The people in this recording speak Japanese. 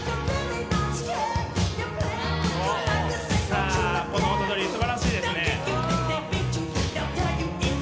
さあこの音取りすばらしいですね。